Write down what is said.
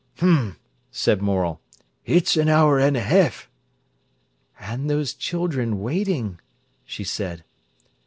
"H'm!" said Morel. "It's an hour an' a ha'ef." "And those children waiting!" she said.